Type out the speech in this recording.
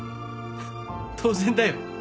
当然だよ。